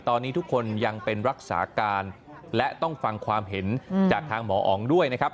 ตอนนี้ทุกคนยังเป็นรักษาการและต้องฟังความเห็นจากทางหมออ๋องด้วยนะครับ